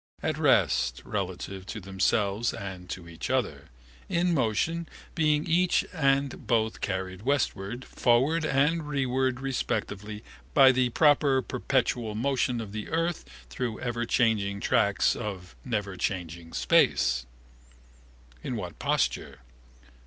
At rest relatively to themselves and to each other. In motion being each and both carried westward, forward and rereward respectively, by the proper perpetual motion of the earth through everchanging tracks of neverchanging space. In what posture?